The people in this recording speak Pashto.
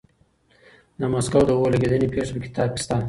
د مسکو د اور لګېدنې پېښه په کتاب کې شته.